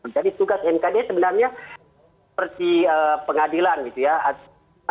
jadi tugas mkd sebenarnya seperti pengadilan gitu ya